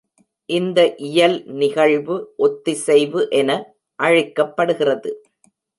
இந்த இயல் நிகழ்வு ஒத்திசைவு என அழைக்கப்படுகிறது.